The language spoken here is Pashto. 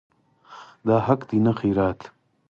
دا حق دی نه خیرات.